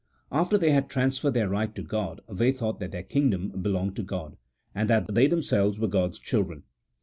After they had transferred their right to God, they thought that their kingdom belonged to God, and that they themselves were God's children.